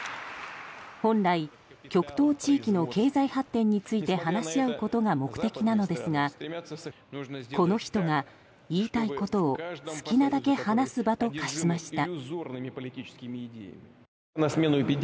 本来極東地域の経済発展について話し合うことが目的なのですがこの人が、言いたいことを好きなだけ話す場と化しました。